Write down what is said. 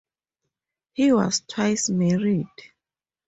He was twice married.